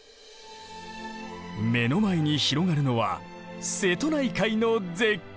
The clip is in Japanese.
目の前に広がるのは瀬戸内海の絶景。